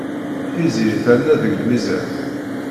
Tiziri terna deg lmizan.